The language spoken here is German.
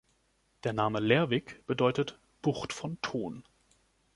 Der Name „Lerwick“ bedeutet „Bucht von Ton“.